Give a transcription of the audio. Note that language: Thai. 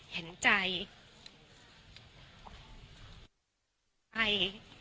เห็นใจ